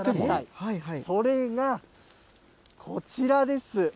それが、こちらです。